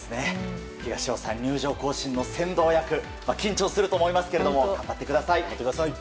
東尾さん、入場行進の先導役緊張すると思いますけど頑張ってください。